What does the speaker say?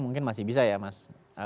mungkin masih bisa ya mas